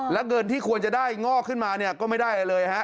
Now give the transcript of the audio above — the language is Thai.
และเงินที่ควรจะได้งอกขึ้นมาก็ไม่ได้เลย